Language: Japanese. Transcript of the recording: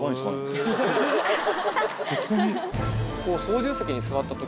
ここに。